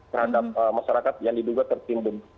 terhadap masyarakat yang diduga tertimbun